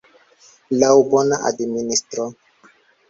Laŭ bona administro.